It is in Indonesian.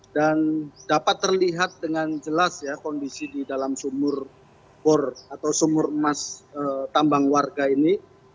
dan dapat terlihat dengan jelas ya kondisi di dalam sumur bor atau sumur emas tambang warga ini